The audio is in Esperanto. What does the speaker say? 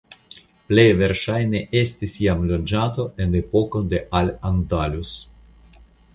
Plej verŝajne estis jam loĝado en epoko de Al Andalus.